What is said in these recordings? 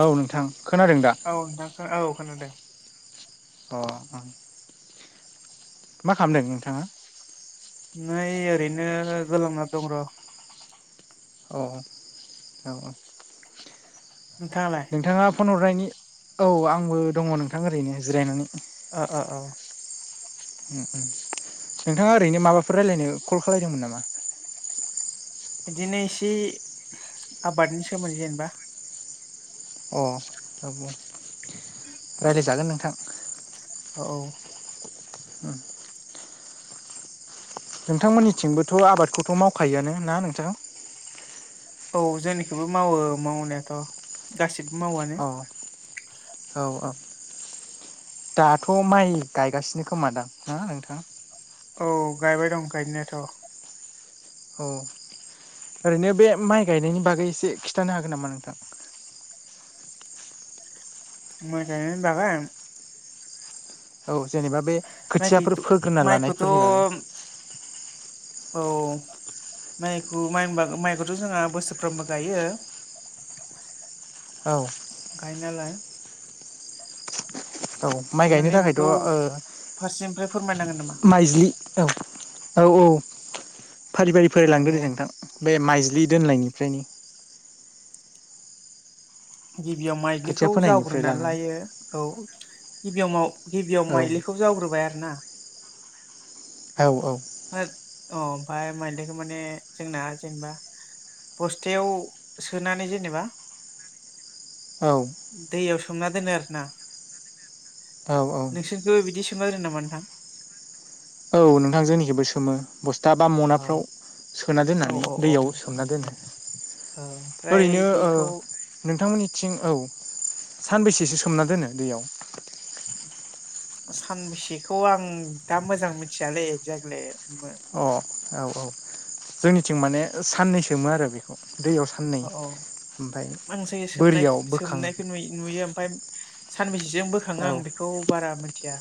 औ नोंथां खोनादों दा औ नोंथां औ खोनादों अं मा खालामदों नोंथाङा नै ओरैनो गोलांना दं र' औ औ नोंथाङालाय नोंथाङा फन हरनायनि औ आंबो दङ नोंथां ओरैनो जिरायनानै अ औ नोंथाङा ओरैनो माबाफोर रायजलायनो कल खालायदोंमोन नामा बिदिनो एसे आबादनि सोमोन्दै जेनेबा अ राय्लायजागोन नोंथां औ ह नोंथांमोननिथिंबोथ' आबादखौथ' मावखायोआनो ना नोंथां औ जोंनिखौबो मावो मावनायाथ' गासिबो मावानो औ औ आ दाथ' माइ गायगासिनो खोमा दां ना नोंथाङा औ गायबाय दं गायनायाथ' औ ओरैनो बे माइ गायनायनि बागै एसे खिन्थानो हागोन नामा नोंथां माय दाबाय औ जेनेबा बे खोथियाफोर माइखैथ' फोग्रोना माइखौथ' लानायफोरनि बागै औ माइखौ माइ होनबा माइखौथ' जोंहा बोसोरफ्रोमबो गायो [inaudible] औ गायनायाल औ माइ गायनो माने बेखौ थाखायथ' फारसेनिफ्राय फोरमायनांगोन नामा? माइज्लि औ औ औ फारि फारि औ फरायलांगोन दे नोंथां बे माइज्लि दोननायनिफ्रायनो गिबियाव खोथिया माइ्लिखौ फोनायनिफ्राय जग्रोनानै लानानै लायो औ गिबियाव माव गिबियाव औ माइलिखौ जावग्रोबाय आरो ना औ औ होद अ ओमफाय माइलिखौ माने जोंना जेनेबा बस्थायाव सोनानै जेनेबा औ दैयाव सोमना दोनो आरो ना औ औ नोंसोरखौबो बिदि सोमनो होदो नामा नोंथां औ नोंथां जोंनिखिबो सोमो बस्था बा औ मनाफ्राव सो सोना औ दोननानै औ औ दैयाव नोंथां सोमना औ दोनो ओमफ्राय ओरैनो ओ बेखौ नोंथांमोननिथिं औ सानबैसेसो सोमना दोनो दैयाव सानबेसेखौ आं दा मोजां मिथियालै एक्जेक्टलि अ औ औ जोंनिथिं माने साननै सोमो आरो बेखौ दैयाव साननै औ औ ओमफ्राय आं जायो सोमनाय बोरियाव बोखां सोमनायखौ नुयो ओमफ्राय सानबेसेजों बोखाङो औ आं बेखौ बारा मिथिया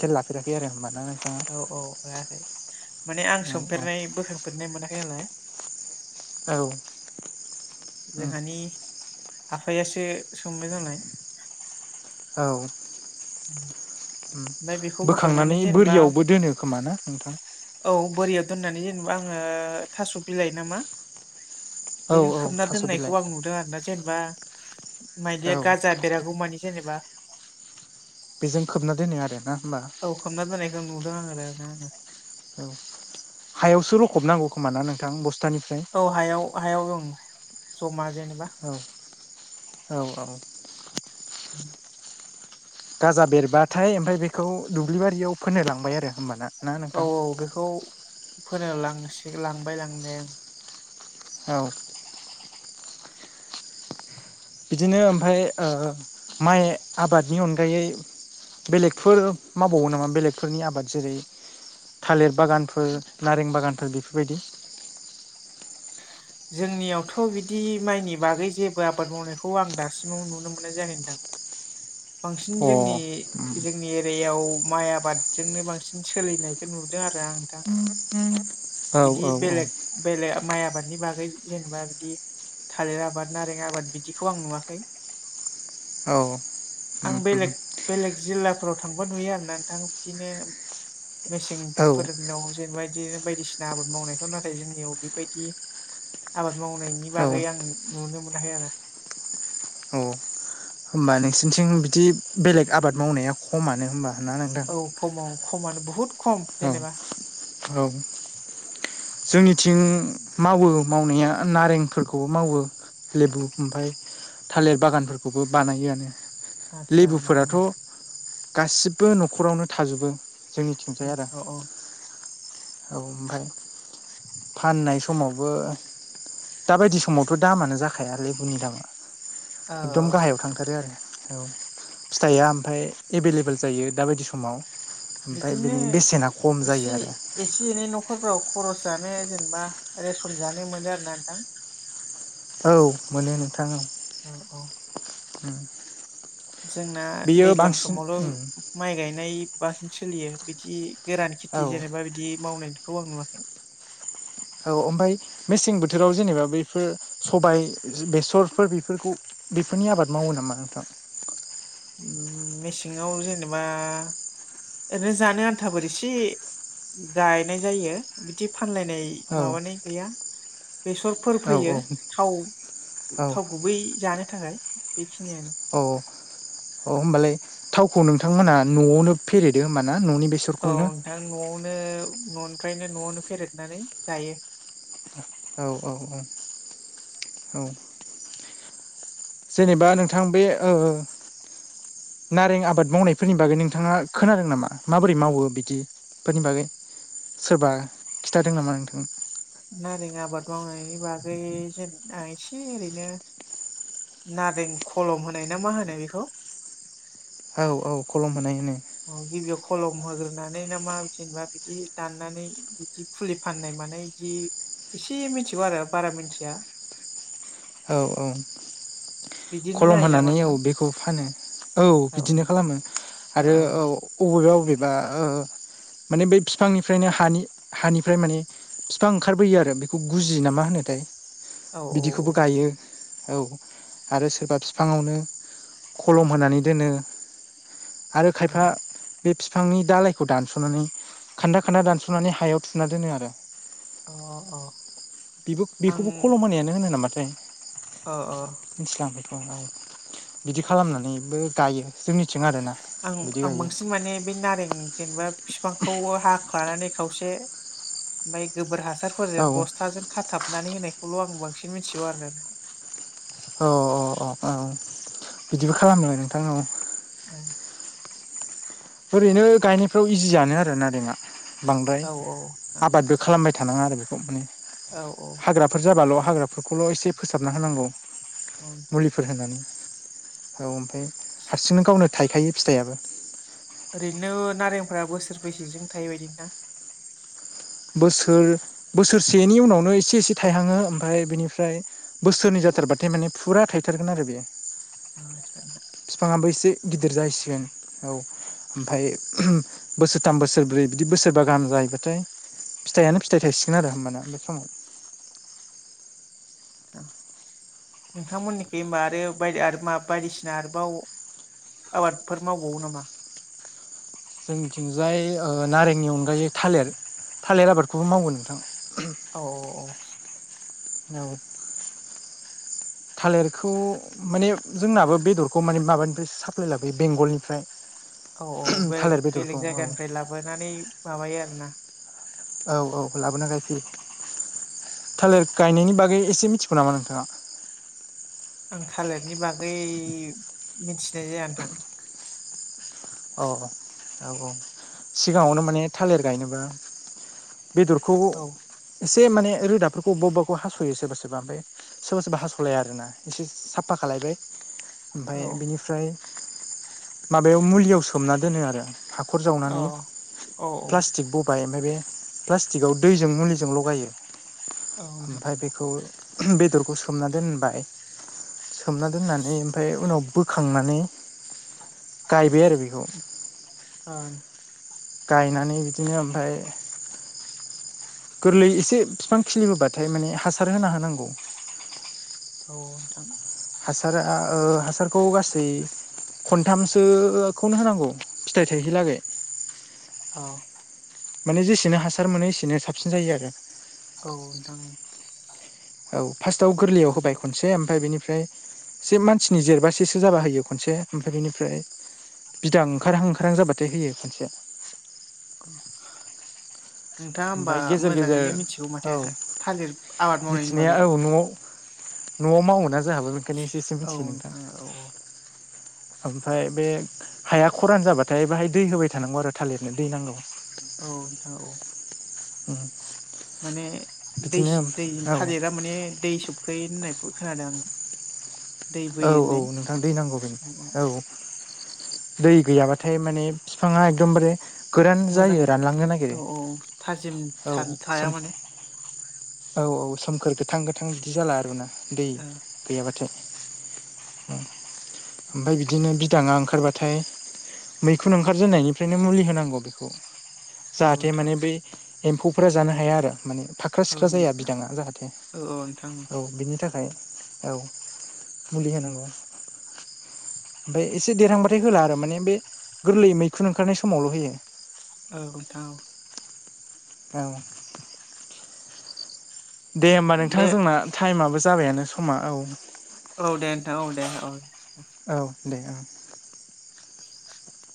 खेल लाफेराखै आरो होनबा ना नों औ औ लायाखै माने आं औ औ सोमफेरनाय बोखांफेरनाय मोनाखै नालाय औ जोंहानि आफायासो सोंबाय जानाय औ [inaudible] उम ओमफाय बेखौ बोखांनानै जेनेबा बोरियावबो दोनो खोमा ना नोंथां औ बोरिया दोननानै जेनेबा आङो थास' बिलाय ना नामा औ बेजों औ खोबना थास' बिलाइ दोननायखौ आं नुदों आरो ना जेनेबा मायलिया औ गाजा बेरगौमानि जेनेबा बेजों खोबना दोनो आरो ना होमबा ओं नुदों आरो ना आङो औ हायावसो लखबनांगौ खोमा ना नोंथां बसथ औ हायाव हायाव दं जमा जेनेबा औ औ औ [unintelligible] गाजा बेरबाथाय ओमफाय बेखौ दुब्लि बारियाव फोनो लांबाय आरो होमबाना ना औ नोंथां औ बेखौ फोनो लांसिग लांबाय लांनाया औ बिदिनो ओमफाय ओ माइ आबादनि अनगायै बेलेगफोर मावबावो नामा बेलेगफोरनि आबाद जेरै थालिर बागानफोर नारें बागानफोर बेफोरबायदि जोंनियावथ' बिदि माइनि बागै जेबो आबाद मावनायखौ आं दासिमाव नुनो मोननाय जायाखै नोंथां बांसिन अ जोंनि जोंनि एरि बेयाव माइ आबादजोंनो बांसिन सोलिनायखौ नुदों आरो आं दा औ बिदि औ औ बेलेग बेलेग माइ आबादनि बागै जेनेबा बिदि थालिर आबाद नारें आबाद बिदिखौ आं नुवाखै औ आं बेलेग औ बेलेग जिलाफोराव थांबा नुयो आरोना नोंथां बिदिनो मेसेंफोरनाव जेनबादि बायदिसिना आबाद मावनायखौ नाथाय जोंनियाव बेबायदि आबाद मावनायनि औ बागै आं नुनो मोनाखै आरो औ होमबा नोंसोरनिथिं बिदि बेलेग आबाद मावनाया खमानो होनबा औ खमाव खमानो बुहुद खम औ जेनेबा औ जोंनिथिं मावो मावनाया नारेंफोरखौबो मावो लेबु ओमफाय थालिर बागानफोरखौबो बानायोआनो आतसा लेबुफोराथ' नोंथां गासिबो न'खरावनो थाजोबो जोंनि औ औ औ ओमफाय फाननाय समावबो दा बायदि समावथ' दामानो जाखाया लेबुनि दामा औ एकदम गाहायाव थांथारो आरो औ फिथाइया ओमफ्राय एभेलेबेल जायो दा बायदि समाव ओमफफ्राय बिनि बिदिनो बेसेना खम जायो एसे आरो एसे एनै न'खरफोराव खरस जानो जेनेबा रेसन जानो मोनो आरो ना नोंथां औ मोनो औ औ औ उम जोंना बेयो दैज्लां बांसिन समावल' उम माइ गायनाय बसिन सोलियो बिदि गोरान औ खेथि जेनेबा बिदि मावनायखौ आं नुवाखै औ ओमफाय मेसें बोथोराव जेनेबा बैफोर सबाय बेसरफोर बेफोरखौ बेफोरनि आबाद मावो नामा नोंथां? उम‌ मेसेङाव जेनेबा ओरैनो जानो आन्थाफोर इसे गायनाय जायो बिदि फानलायनाय औ माबानाय गैया बेसरफोर औ फोयो थाव थाव गुबै जानो थाखाय बेखि- नियानो अ होमबालाय थावखौ नोंथांमोना न'आवनो फेरेदो होमबा ना न'नि औ बेसरखौनो नोंथां न'आवनो न'निफ्रायनो न'आवनो फेरेदनानै जायो औ औ औ औ जेनेबा नोंथां बे ओ नारें आबाद मावनायफोरनि बागै नोंथाङा खोनादों नामा माबोरै मावो बिदि बेफोरनि बागै सोरबा खिथादों नामा नोंथांनो नारें आबाद मावनायनि बागै जेनेबा आं इसे ओरैनो नारें खलम होनाय ना मा होनो बेखौ औ औ खलम होनाय होनो औ गिबियाव खलम होग्रोनानै ना मा जेनेबा बिदि दाननानै बिदि फुलि फाननाय मानाय इदि एसे मिनथिगौ आरो बारा मिथिया औ औ बिदिनो खलम जायो नामा होनानै औ नोंथां बेखौ फानो औ औ बिदिनो खालामो औ आरो औ अबेबा अबेबा ओ माने बै फिफांनिफ्रायनो हानि हानिफ्राय माने फिफां ओंखारबोयो आरो बेखौ गुजि ना मा होनोथाय औ औ औ बियो औ आरो सोरबा फिफाङावनो खलम होनानै दोनो आरो औ खायफा बे फिफांनि दालायखौ दानस'नानै खान्दा खान्दा दानस'नानै हायाव थुना दोनो आरो अ अ बेबो बेखौबो खलम होनायानो होनो नामाथाय ओ ओ मिथिला आं बिदि खालामनानैबो गायो जोंनिथिं आरोना आं बिदि आं गायो बांसिन माने बे नारें जेनेबा फिफांखौ हाख्लानानै खावसे ओमफ्राय गोबोर हासा- हासारफोरजों औ बस्थाजों खाथाबनानै होनायखौल' आं बांसिन मिनथिगौ आरोना नोंथां औ औ औ औ बिदिबो खालामो नोंथां औ ओरैनो गायनायफ्राव इजियानो आरो नारेंआ बांद्राय औ आं आबारबो खालामबाय थानाङा आरो बेखौ माने औ हाग्राफोर जाबाल' हाग्राफोरखौल' एसे फोसाबना होनांगौ औ नोंथां मुलिफोर होनानै औ ओमफाय हारसिंनो गावनो थाइखायो फिथाइयाबो ओरैनो नारेंफ्रा बोसोरबैसेजों थायोबायदि नोंथां बोसोर बोसोरसेनि उनावनो एसे एसे थायहाङो ओमफ्राय बेनिफ्राय बोसोरनै जाथारबाथाय माने फुरा थायथारगोन आरो बेयो आदसा फिफाङाबो एसे गिदिर जाहैसिगोन औ ओमफाय बोसोरथाम बोसोरब्रै बिदि बोसोर- सोरबा गाहाम जाहैबाथाय फिथाइयानो फिथाइ थायसिगोन आरो होमबाना बे समाव नोंथां। [inaudible] नोंथांमोननिखै होनबा आरो बाय आरो मा बायदिसिना आरोबाव आबादफोर मावबावो नामा? जोंनिथिंजाय नारेंनि अनगायै थालिर थालिर आबादखौबो मावो नोंथां। औ औ औ थालिरखौ माने जोंनाबो बेदरखौ माने माबानिफ्रायसो साप्लाइ लाबोयो बेंगलनिफ्राय औ औ बेलेग थालिर बेदरखौ बेलेग औ जायगानिफ्राय लाबोनानै माबायो आरोना औ औ लाबोना गायफैयो। थालिर गायनायनि बागै एसे मिथिगौ नामा नोंथाङा? आं थालिरनि बागै मिथिनाय जाया नोंथां। औ औ औ सिगाङावनो माने थालिर गायनोब्लाा बेदरखौ औ एसे माने रोाफोरखौबाखौ हास'यो सोरबा सोरबा ओमफ्राय सोरबा सोरबा हास'लाया आरोना एसे साफा खालायबाय औ ओमफफ्राय बिनिफ्राय माबायाव मुलियाव सोमना दोनो आरो आं हाखर औ जावनानै औ प्लास्टिक बबाय ओमफ्राय बे प्लास्टिकआव दैजों मुलिजों लगायो। औ नोंथां ओमफफ्राय बेखौ बेदरखौ सोमना दोनबाय सोमना दोननानै ओमफफ्राय उनाव बोखांनानै गायबाय आरो बेखौ आ गायनानै बिदिनो ओमफ्राय गोरलै एसे बिफां खिलिबोबाथाय माने हासार होना होनांगौ। औ नोंथां हासारा हासारखौ गासै खनथामसो खौनो होनांगौ फिथाइ थायहैलागै औ माने जेसेनो हासार मोनो एसेनो साबसिन जायो आरो। औ नोंथां औ फार्स्टआव गोरलैयाव होबाय खनसे ओमफ्राय बेनिफ्राय ज मानसिनि जेरबासेसो जाबा होयो खनसे ओमफ्राय बेनिफ्राय बिदां ओंखारहां ओंखारहां जाबाथाय होयो। खनसे [unintelligible] नोंथाङा होमबा ओमफ्राय गेजेर गेजेर मोजाङैनो मिथिगौ माथो औ थालिर आबाद मावनायनि मिथिनाया बागै औ न'आव न'आव मावोन ना जोंहाबो बेखायनो एसे एसे औ मिथियो नोंथां। औ ओमफ्राय बे हाया खरान जाबाथाय बेहाय दै होबाय थानांगौ आरो थालिरनो दै नांगौ। औ द औ उम माने दैस दै थालेरा माने दै सो खायो होननायखौ खोनादों आङो। दै औ बोयो औ होननाय नोंथां दै नांगौ बे औ दै गैयाबाथाय माने बिफाङा एकदमबारे गोरान मोजां जायो रानलांनो नागिरो औ औ थाजिम औ थाया सो माने औ औ सोमखोर गोथां गोथां बिदि जाला आरोना दै औ गैयाब्लाथाय ओम ओमफ्राय बिदिनो बिदाङा ओंखारबाथाय मैखुन ओंखारजेननायनिफ्रायनो मुलि होनांगौ बेखौ जाहाथे नोंथां माने बै एम्फौफोरा जानो हाया आरो माने फा औ ख्रा जाया बिदाङा जाहाथे औ बिनि थाखाय औ मुलि होनांगौ ओमफ्राय एसे देरहांबाथाय होला आरो माने बे गोरलै मैखुन ओंखारनाय समावल' होयो औ नोंथां औ औ दे होमबा नोंथां दे जोंना टाइमाबो जाबायानो समा औ औ दे नोंथां औ दे औ औ दे औ। [inaudible]